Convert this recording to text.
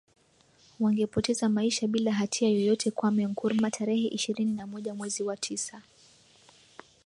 wangepoteza maisha bila hatia yoyote Kwame Nkrumah tarehe ishirini na moja mwezi wa tisa